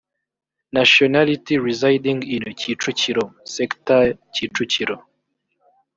nationality residing in kicukiro sector kicukiro